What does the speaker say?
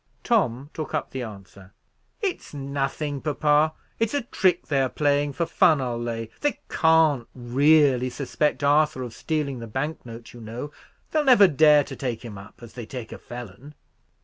Tom took up the answer. "It's nothing, papa. It's a trick they are playing for fun, I'll lay. They can't really suspect Arthur of stealing the bank note, you know. They'll never dare to take him up, as they take a felon."